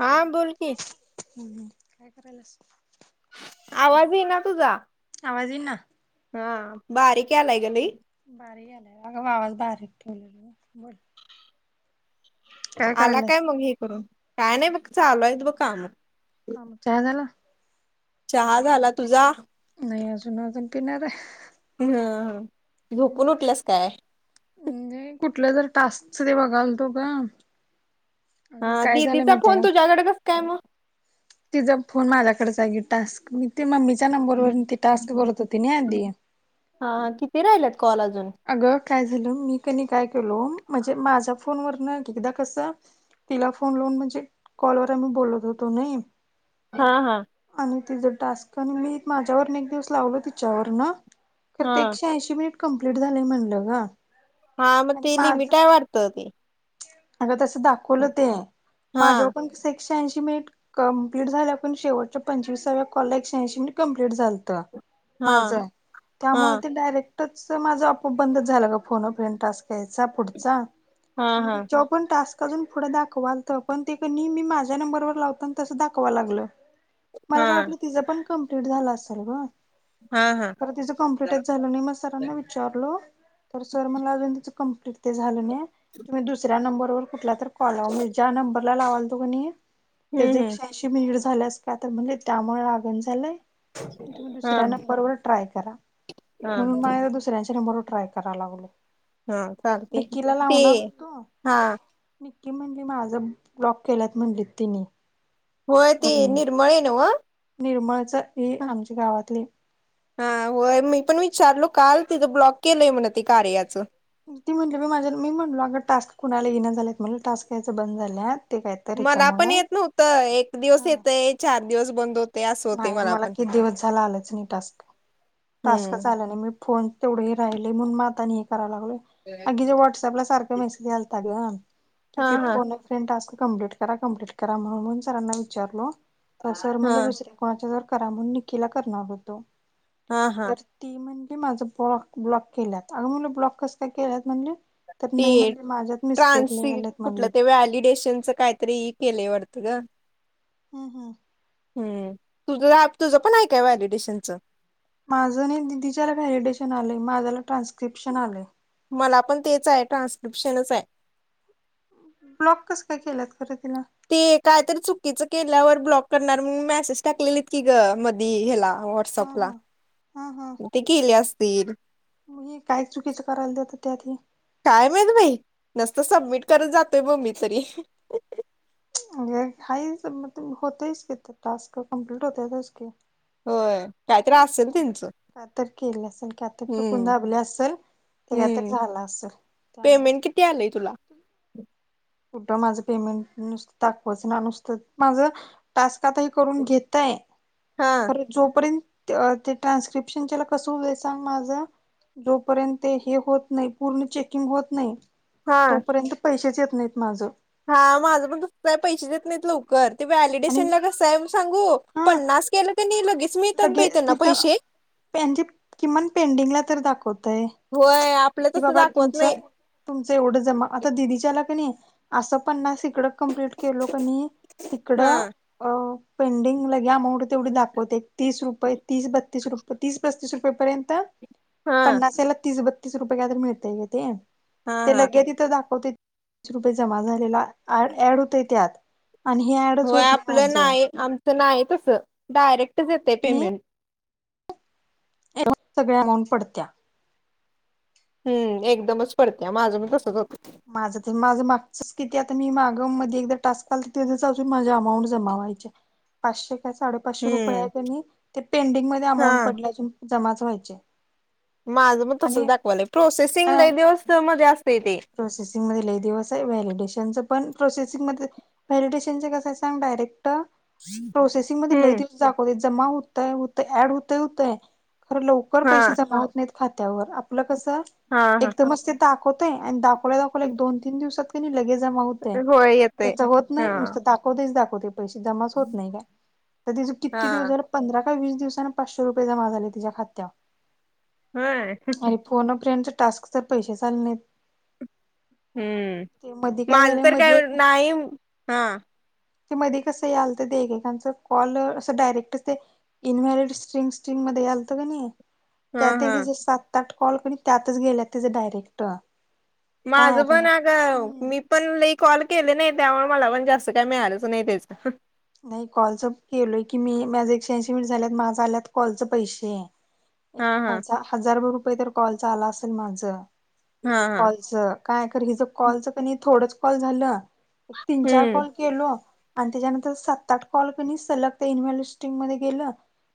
हा बोल की आवांज येईनां तुझां आवांज येई नां हां बारीक यांयला लागलांय लई आलांय अगं आवांज बारीक ठेवले आंला करायलास? कायं मंग हे करूंन कायं नाहीं बघं चालूंय बघं कामं चहा झालां चहा झालां तुझां नाहीं अजूंन जूंन पिणारं हम्मं झोपूंन उठलांस कायं म्हंजे कुठल्यां टास्कंच बघालतो कां हां दिदीचां फोन तुझ्याकडे कसं कायं मंग ति जा फोन माझ्याकडे जागे टास्कं मी ती मम्मीच्या नंबरवरूंन ती टास्कं करतं होती नां आंधी हां किती राहिलेत कॉल अजूंन अगं कायं झालं मी कनी कायं केलो म्हणजे माझ्यां फोन वरूंन एक एकदां कसं तिलां फोन लावूंन म्हणजे कॉलवरं आम्हीं बोलतं होतो हां हां आणि तिझं टास्कं आणि मी माझ्यावरणं एक दिवसं लावलं तिच्यावरणं तरं ते हा एकशे ऐंशी मिनिट कंप्लीट झालंय म्हणलं गं हां मंग ती लिमिट हांय वाढतं ती अगं तसं दाखवलं ते हा माझ्यांवर पणं एकशे ऐंशी मिनिटं कंप्लीट झाल्यां पणं शेवटच्या पंचवीसाव्या कॉला एकशे ऐंशी कंप्लीट झालतं हा माझं त्यामुळें हा ते डायरेक्ट माझं आपोआप बंदच झालं गं फोन फेन टास्कं यांयचा पुढचां हा आणि हा पणं टास्कं अजूंन पुढं दाखवांलत पणं ते कणी मी माझ्या नंबरवर लावतांना ते तसं दाखवां लागलं मलां कायं हा वाटलं तिचं पणं कम्प्लीट झालं असेल गं हां हां तरं तिचं कॉम्प्लिटचं झालं नाहीं मंग सरांना विचारलो तरं सरं म्हटलं अजूंन तीचं कंप्लीट ते झालं नाहीं तुम्हीं दुसऱ्यां नंबरवरं कुठंला तरं कॉल ज्यां नंबरलां लावातो कणी हम्म एकशे ऐंशी मिनिटं झाल्यांस कां तरं म्हणजे त्यांमुळे लागतं झालंय तुम्हीं दुसऱ्यां हम्म नंबरवर ट्रांय करां हा हा मलां दुसऱ्यांच्या नंबरवरं ट्रांय करां लागलोय हा चालते की निक्किला ते लावणारं हा निक्की म्हंटली माझं ब्लॉक केल्यांत म्हंटलीत तिन्हीं होयं ते निर्मळे न्हवं निर्मळचं ही आमची गावांतली हां होयं मी पणं विचारलो कांल तिथं ब्लॉक केलंय म्हंणे ते कार्याचं ती म्हंटली मी माझं मी म्हणलो अगं टास्कं कुणांला येईना झालेत म्हटलं टास्कं यायचं बंद झाल्यांत ते कांहींतरी च्यांमुळे तरं एक दिवसं येतंय चार दिवसं बंद होतं नाहीं मलां किती दिवसं झालां आलंच नाहीं टास्क टास्कं हम्म झालं आलं नाहीं फोन तेवढे राहिलं म्हणुंन मंग आंता हे करांयला लागलोय अगं ते व्हॉट्सअँपला सारखं ते मिस्कॅर झाले अं हा तिचे हा फोन फेड टास्कं कंप्लीट करां कंप्लीट करां म्हणूंन सरांना विचारलो तरं सरं हा म्हणलं दुसरे कोणांच्या तरं करां म्हणूंन निकिला करणारं होतो हा हा तरं ती म्हटली माझं फोन ब्लॉक केल्यांत अगं ब्लॉक कसं कायं केल्यांत म्हणजे ते ट्रान्सी कुठलं म्हणली ते वॅलिडेशनच काय तरी केले वाटत ग. हम्म. हम्म तुझ आप तुझं पण हाय काय वॅडिटेशनचं. माझं दिदीच्याला वैलिडेटन आलेय माझ्याला ट्रान्स्क्रिप्शन आलय. मला पण तेच आहे ट्रान्स्क्रिप्शनच आहे. ब्लॉक कस काय केल्यात खरं तिला? ते कायतरी चुकीचं केल्यावर ब्लॉक करणार म्हणुन मेसेज टाकलेलीत की ग मधी हेला व्हाट हा हा हा हा. ते केली असतील. हे काय चुकीचं करायला देतं त्यात हे? काय माहीत बाई नुसत समिट करत जातोय बघ मी तरी. होय हाय समिट होतोयच की टास्क कंप्लिट होतोयच की. होय काहीतरी असेल त्यांचं. का तर केलं असेल का तर चुकून हम्म दाबली असेल ते का तर हम्म झालं असेल. [inaudible] पेमेंट किती आलंय तुला? कुठ माझं पेमेंट नुसत दाखवच ना नुसतं माझ टास्क आता करून घेताय हा परर जोपर्यंत ते ट्रान्स्क्रिप्शनला कस होतय सांग माझं जोपर्यंत हे होत नाही पूर्ण चेकिंग होत नाही. हा तोपर्यंत पैसेच येत नाहीत माझं. हा माझं पण तसच हाय पैसेच देत नाहीत लवकर ते आणि व्हॅलिडेशन ला कसं हाय. सांगू हा पन्नास केलं कनी लगेच मी लगे तिथं त्यांजे किमान पेंडिंगला तर दाखवतय. होय आपलं कि तसं बाबा दाखवत तुमचं नाही तुमचं एवढं जमा आता दिदीच्याला कनी असं पन्नास इकडं कम्प्लीट केलो कनी हा इकडं अ पेंडिंग लगे अमाऊंट तेवढी दाखवते. तीस रुपये तीस बतीस रुपये तीस पस्तीस रुपये पर्यंत हा पन्नासाला हेला तीस बती तीस रुपये काय तर मिळतय ग ते हा ते हा लगे तिथं दाखवतय. रुपय जमा झालेला आ ऍड होतय त्यात. आणि हे ऍप होय आपलं नाही आमचं नाही तसं डायरेक्टच येतय पेमेंट. एव सगळ्या अमाऊंट पडत्या. हम्म एकदमच पडत्या माझं पण तसच होतंय. माझं तर माझं मागचच किती आता मी माग मधी एकदा टास्क आलत तेचच अजून माझं अमाऊंट जमावायची हाय. पाचशे काय साडे पाचशे रुपये हम्म हाय त्यानी ते पेंडिंग मध्ये हा अमाऊंट पडलीय अजून जमाच व्हायची हाय. माझं मग तसच दाखवालंय प्रोसेसिंगला दिवस मध्ये असतय ते. प्रोसेसिंग मध्ये लय दिवस आहे व्हॅलिडेशनच पण प्रोसेसिंग मध्ये व्हॅलिडेशनचं कस हाय सांग डायरेक्ट प्रोसेसिंग मध्ये लई हम्म दिवस दाखवतय जमा हुतय हुतय ऍड होतय होतय खर लवकर लवकर हा पैसे जमा होत नाहीत खात्यावर. आपलं कस हा हा एकदमच ते दाखवतय आणि दा दाखवल्या दाखवल्या एक दोन तीन दिवसात कनी लगेज जमा होते होय ते येतय. च होत हा नाही नुसत दाखवतेच दाखवतय. पैसे जमाच होत नाही काय तर तिच किती दिवस हा झाल पंधरा का वीस दिवसांन पाचशे रुपये जमा झाले तिच्या खात्यात. होय. आणि फोन अ फ्रेडच टास्कच पैसेच आल नाहीत. ते मधी हम्म काय माझं झाले तर मधी काय एक नाही हा ते मध्ये कसं यालत ते एकेकांच कॉल अस डायरेक्ट ते इनव्हॅरिड स्ट्रिंग स्ट्रिंग मध्ये यालतं कनी हा त्यात एक हा हीच सात आठ कॉल कर त्यातच गेल्या तीचा डायरेक्ट. काय माझं अरे पण आ ग हम्म मी पण लय कॉल केले नाही, त्यामुळे मला पण जास्त काही मिळालंच नाही त्याच. नाही कॉलच केलोय की मी माझ ऐकशेअंशी मिनिट झाल्यात माझ आल्यात कॉलच पैसे एक हा हा हजार हजार रुपये तर कॉलचा आला असेल माझ हा हा कॉलच. काय कर हिच कॉलच कणी थोडं कॉल झालं एक तीन चार हम्म कॉल केलो आणि त्याच्यानंतर सात आठ कॉल कनी सलग ते इनव्यालेस्टिंग मध्ये गेलं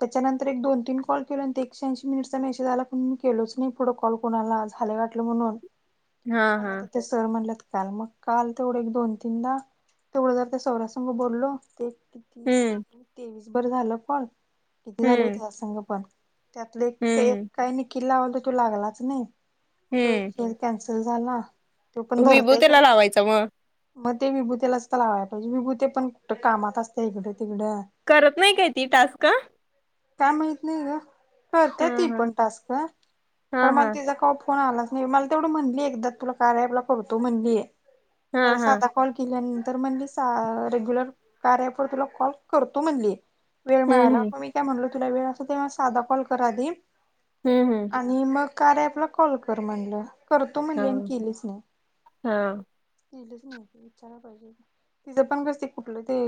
त्याच्यानंतर एक दोन तीन कॉल केलो आणि ते एकशहाऐंशी मिनिटचा मेसेज आला पण मी केलोच नाही. फूड कॉल कोणाला झालय वाटलं म्हणून हा आणि हा आता सर म्हटलंत काल मग काल तेवढं एक दोन तीनदा तेवढं जर ते सौऱ्या संघ बोललो ते हम्म तेवीसभर झालं कॉल किती झालं हो हम्म त्या पण. त्यातल एक हम्म हम्म ते काय निकीला लावालतो तो लागलाच नाही हम्म तो कॅन्सल झाला, तो पण विभू धरतय काय त्याला लावायचा मग मग ते विभूतेलाच तर लावायला पाहिजे, विभूते पण कुठ कामात असते इकडें तिकडं. करत नाही काय ती टास्क. काय माहत नाही गं, हा करत्या ती हा पण टास्क हा खरं मला हा तिचा का फोण आलाच नाही, मला तेवढं म्हणली एकदा तुला कार्य ॲप ला करतो म्हणली, हा हा साधा कॉल केल्यानंतर म्हणली सा रेग्युलर कार्याअॅप तुला कॉल करतो म्हणली. वेळ हम्म मिळाला, हम्म मी काय म्हणलो तुला वेळ असते तेव्हा साधा कॉल कर आधी. हम्म हम् आणि मग कार्यऍप आपला कॉल कर म्हणलं, करतो म्हणले आणि हम्म केलीच नाही. हा हा केलेच नाही. तिचं पण कसते कुठलं ते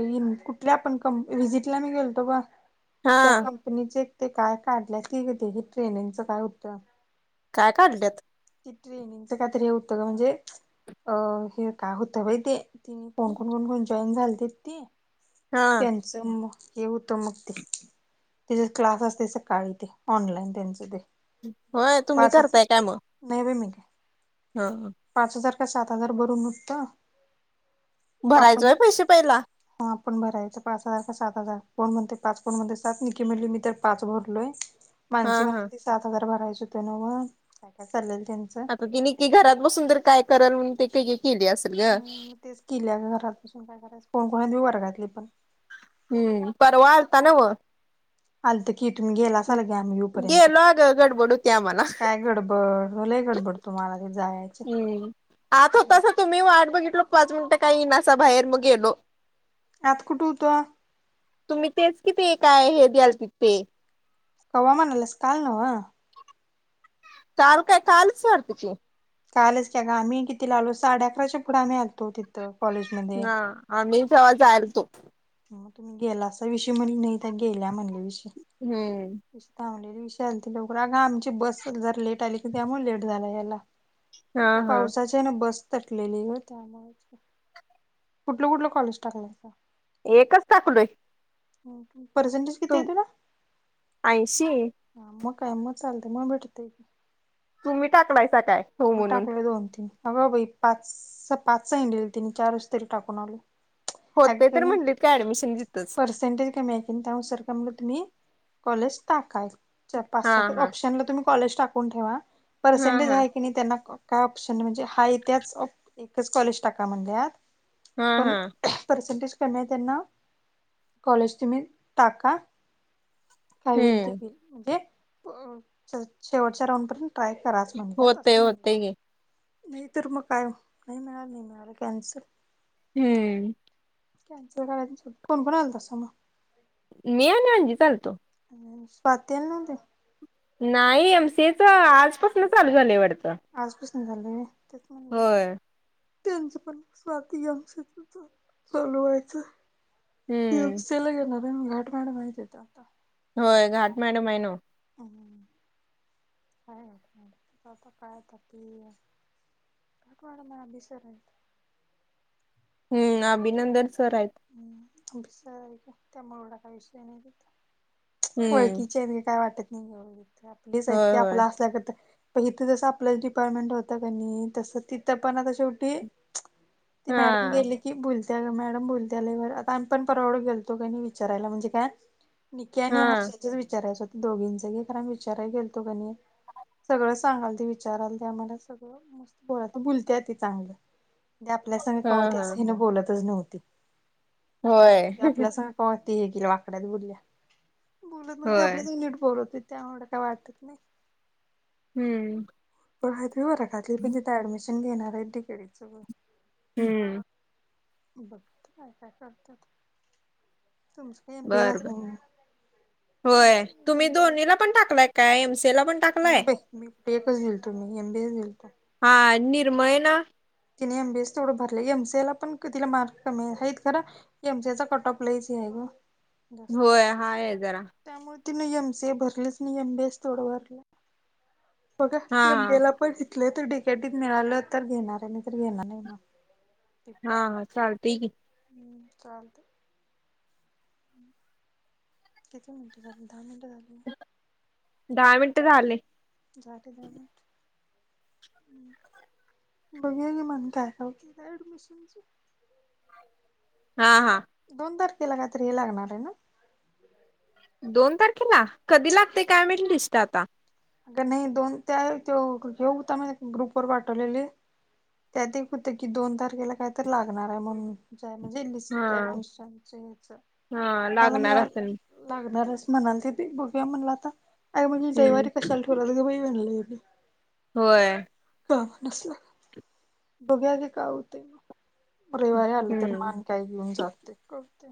कुठल्या आपण कं विजिट ला मी गेलतो बघ. त्या हा कंपनीचे ते काय काढल्यात की तेव्हढी ट्रेनिंगच काय होतं. काय काढल्यात? त ट्रेनिंगच काहीतरी हे होतं का म्हणजे अ हे काय होतं बाई ते. ति कोण कोण कोण कोण जॉईन झालते ती हा त्यां जम हे हुतो मग ते तीज क्लास असते सकाळी ते ऑनलाईन त्यांच ते- होय तुम्ही पाचच करताय काय मग? नाही बी मी काय. हा. पाच हजार का सात हजार भरून नुसतं. भरायचा होय पैसे पहिला. हा आपण भरायचं पाच हजार का सात हजार कोण म्हणते पाच कोन म्हध्ये सात. सात नीकी म्हनली मी तर पाच भरलोय हा माणसी हा माण- सात हजार भरायचे होते नवं, काय काय चालेल त्यांच ती नीकी घरात बसून तर काय कराल म्हणून ते केलतस अस- हम मग तेच कील्या घरातसून काय करायचं, कोण कोण हायत वर्गातली पण हम्म परवा आलता ना व आल्ते कि तुम्ही गेला असाल की आम्ही येऊ पर्यंत, गेलो अगं गडबड होती आम्हाला काय गडबड लय गडबड. तुम्हाला ते जायाची. आता होतासा तुम्ही, वाट बघितलो पाच मिनिटं काय येनासा बाहेर मग गेलो. आता कुठं हुतो? तुम्ही तेच कि ते काय हे द्यालतित ते. कवा मनाल्यास काल नवं. काल काय कालच वाढतं की. कालच की ग आम्ही किती ला आलो साडे अकराच्या पुढं आम्ही आलतो तित. तर कॉलेज हा, आमी तवा जायालतो. तुम्ही गेला अस विषय म्हण नाही त्या गेल्या म्हणल्या विषयी. हम्म. थांबलेली विशाल त लोक रागा आमची बस जरा लेट आली की त्यामुळे लेट झाला याला. हा ते हा पावसाचे बस तटलेली गं, कुठलं कुठलं कॉलेज टाकल्यास? एकच टाकलोय. पर्सटेज तुम ऐंशी. ह मग काय, मग चालतय, मग भेटतय. तुम्ही टाकलायसा काय? हो आम्ही म्हणून टाकलोय दोन तीन,, अगं भाई पाच, पाच सांगितलेलं तनी चारच तरी टाकून आलो. होतय तर म्हणलीत काय ऍडमिशन तितच. [unintelligible] त्यानुार तुम्ही कॉलेज टाकायच. पाच हा सात हा ऑप्शनला तुम्ही कॉलेज टाकून ठेवा, हा पर्सेंटेज हा हाय किनी त्यांना काय ऑप्शन म्हणजे, हाय त्याच एकच कॉलेज टाका म्हणल्यात हा पण हा पसेंटेज कमी हाय त्यांना, कॉलेज तुम्ही टाका काय होईल ते हम्म होईल म्हणजे, शेवटच्या राऊंड पर्यंत ट्राय कराच म्हणत्यात. होतय होतय की नाही तर मग काय, नाही मिळालं नाही मिळालं कॅन्सल. हम्म. कॅन्सल करायचं, कोण कोण आल तसं मग.? मी आणि आंजीच आलतो. स्वाती आली नव्हती? नाही, एम सी ए चं आजापासनं चालू झालंय वाढतं. आजपसनं झालं वय. होय. त्यांच पण स्वाती चालु व्हायचं. हम्म सल गेणार रे म घाट माट माहती येत आता [unintelligible] होय घाट मॅडम. हाय नवं. हम्म. कायता की काय कोणार मला बिसर [unintelligible] हम्म अभिनंदन सर हायत. हम्िसर आहे का त्यामुळेडा का विषय नाही [unintelligible] हम्म वळखीचे आहेे काय वाटत नाही ग, आपलीच हाईत होय ते होय आपलं असल्या सारखं इथं जसं आपलंच डिपार्टमेंट होत क नाही, तसं तिथं पण आता शेवटी ती मॅडम हा गेली मॅडम बोलत्या लय आता आमही पण परवंड गेलतो का विचारायला म्हणजे काय निकी आणि हा हर्षाचेच विचारायच होत दोघींच की खर विचारा गेल तो काणी सगळ सांगाल ते विचाराल त्या मला सगळ मस्त बोलत बोलते ती चांगल ते आपल्या सग हा कवा हा ठेचनीन ना बोलतच नव्हती होय विचारत आपल्या स कव्हा ती एकीला वाकड्यात बोलल्या बोलत नाही होय आपल्यासी नीट बोलत त्यामुळे काय वाटत नाही हम्म आहेत वर्गातील पण तिथे ऍडमिशन घेणार आहेत डगडी च हम्म बघ काय काय करतात तुमच बर बर होय तुमचं तुम्ही एम बी ए दोन्हीला पण टाकलाय का एम सीला पण टाक नाही मी पेपच [unintelligible] मी एम बीएच गेलता हा निर्मळे ना तिने एमबीएस तेवढं भरलेय एमसी ए ला पण तिला मार्क कमी आहेत खरं एम जी चा कट ऑफ लयच आहे ग जास्त होय हाय जरा त्यामुळे तिने एमसीए भरलीच नाही एम बीएस थोड भरल बघा हा हा एमबीए ला पण घेतल तर डिकेटीत मिळाल तर घेणार आहे नाही तर घेणार नाही मग ते पण. हां हां चालते की हम्म चालते किती मिनट झाली दहा मिनिट झाली. दहा मिनिटं झाले झाले दहा मिनिटं बघुया ना मग काय होते ऍडमिशनच हा हां दोन तारखेला काय हे लागणार आहे ना दोन तारखेला कधी लागतय काय माहित लिस्ट आता अ नाही दोन ते तेव हे होता ग्रुप वर पाठवलेले त्यात एक होत की दोन तारखेला काय तर लागणार आहे म्हणुन म्हणजे हा लिस्ट ऍडमिशनच याच हा कुणाला लागणार मिळा असेल लागणारच म्हणालती ती बघुया म्हणला आता आई‌ म्हणे हम्म रविवारी तुला कधी म्हणलय होते - होय का असल बघुया आणि काय होतय रविवारी आल तर हम्म मान काय घेऊन जाते करते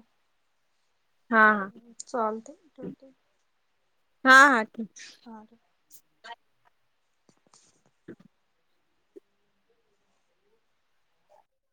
हा हा चालते ठेवते हा हां हां हं